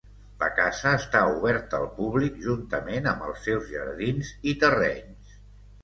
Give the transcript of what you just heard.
La casa està oberta al públic juntament amb els seus jardins i terrenys.